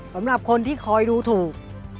สำหรับคนที่คอยดูถูก